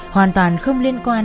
hoàn toàn không liên quan